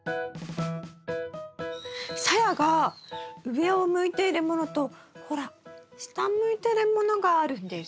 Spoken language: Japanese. さやが上を向いているものとほら下向いてるものがあるんです。